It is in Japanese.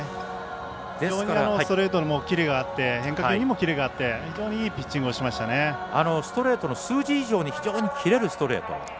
非常にストレートのキレがあって変化球にもキレがあってストレートの数字以上に非常に切れるストレート。